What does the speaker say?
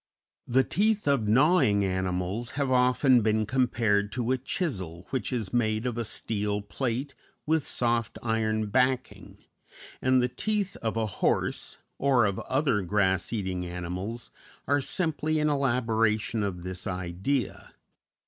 The teeth of gnawing animals have often been compared to a chisel which is made of a steel plate with soft iron backing, and the teeth of a horse, or of other grass eating animals, are simply an elaboration of this idea.